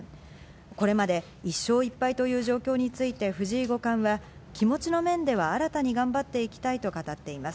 これまで１勝１敗という状況について藤井五冠は、気持ちの面では新たに頑張っていきたいと語っています。